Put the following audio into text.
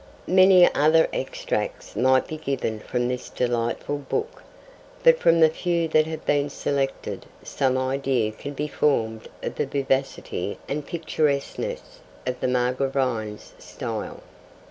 Many other extracts might be given from this delightful book, but from the few that have been selected some idea can be formed of the vivacity and picturesqueness of the Margravine's style.